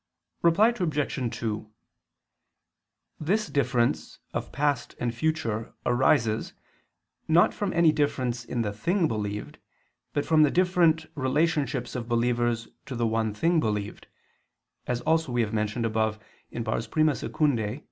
Reply Obj. 2: This difference of past and future arises, not from any difference in the thing believed, but from the different relationships of believers to the one thing believed, as also we have mentioned above (I II, Q.